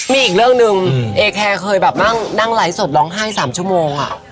มีอีกเรื่องหนึ่งเอแคร์เคยแบบนั่งไลฟ์สดร้องไห้๓ชั่วโมง